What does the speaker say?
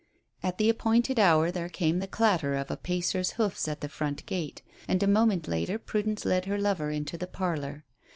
At the appointed hour there came the clatter of a pacer's hoofs at the front gate, and a moment later Prudence led her lover into the parlour.